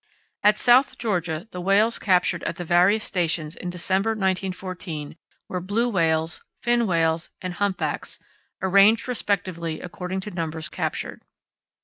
At South Georgia, the whales captured at the various stations in December 1914, were blue whales, fin whales, and humpbacks (arranged respectively according to numbers captured).